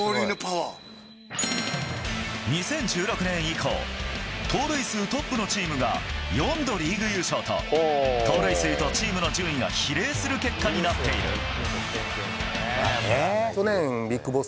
２０１６年以降盗塁数トップのチームが４度リーグ優勝と盗塁数とチームの順位が比例する結果になっている。